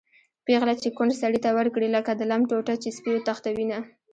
پېغله چې کونډ سړي ته ورکړي-لکه د لم ټوټه چې سپی وتښتوېنه